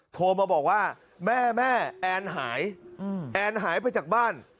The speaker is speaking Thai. โทรมาบอกว่าแม่แม่แอนหายแอนหายไปจากบ้าน